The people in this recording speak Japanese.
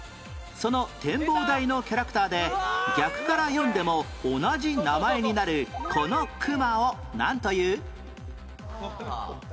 その展望台のキャラクターで逆から読んでも同じ名前になるこの熊をなんという？